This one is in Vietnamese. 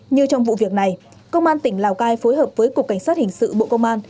như trong vụ việc này công an tỉnh lào cai phối hợp với cục cảnh sát hình sự bộ công an